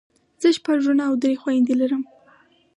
زه شپږ وروڼه او درې خويندې لرم.